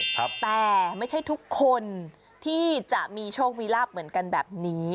แต่ไม่ใช่ทุกคนที่จะมีโชคมีลาบเหมือนกันแบบนี้